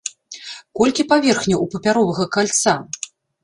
Колькі паверхняў у папяровага кальца?